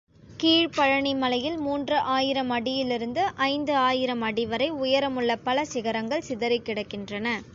கீழ்ப்பழனி மலையில் மூன்று ஆயிரம் அடியிலிருந்து ஐந்து ஆயிரம் அடிவரை உயரமுள்ள பல சிகரங்கள் சிதறிக் கிடக்கின்றன.